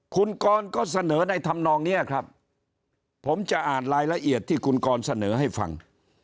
คุณกรก็เสนอในธรรมนองนี้ครับผมจะอ่านรายละเอียดที่คุณกรเสนอให้ฟัง